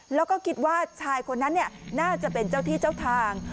แล้วก็คิดว่าชายคนนั้นน่าจะเป็นเจ้าที่เจ้าทาง